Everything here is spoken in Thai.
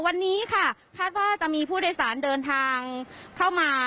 วันนี้ค่ะคาดว่าจะมีผู้โดยสารเดินทางเข้ามา